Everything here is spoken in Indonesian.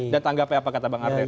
dan tanggapnya apa kata bang ardheni